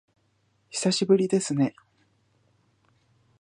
久しぶりですね